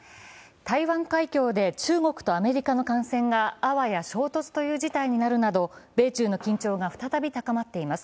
台湾海峡で中国とアメリカの艦船があわや衝突という事態になるなど、米中の緊張が再び高まっています。